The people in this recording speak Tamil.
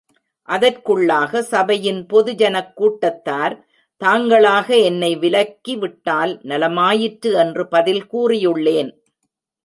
அதற்குள்ளாக, சபையின் பொது ஜனக் கூட்டத்தார், தாங்களாக என்னை விலக்கி விட்டால் நலமாயிற்று என்று பதில் கூறியுள்ளேன்.